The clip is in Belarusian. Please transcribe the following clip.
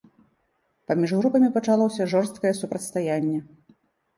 Паміж групамі пачалося жорсткае супрацьстаянне.